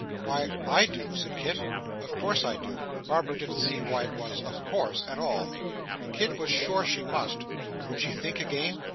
'Why, I do,' said Kit. 'Of course I do.' Barbara didn't see why it was of course, at all. Kit was sure she must. Would she think again?